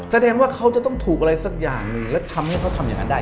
แสดงว่าเขาจะต้องถูกอะไรสักอย่างหนึ่งแล้วทำให้เขาทำอย่างนั้นได้